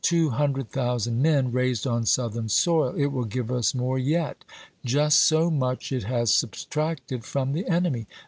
dom has given us 200,000 men, raised on Southern soil. It will give us more yet. Just so much it has subtracted from the enemy.